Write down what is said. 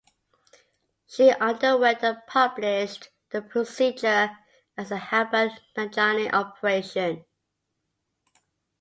She underwent and published the procedure as the Halban-Narjani operation.